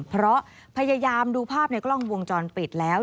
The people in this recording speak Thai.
เพราะพยายามดูภาพในกล้องวงจรปิดแล้ว